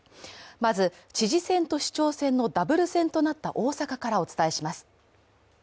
まず知事選と市長選のダブル選となった大阪からお伝えします。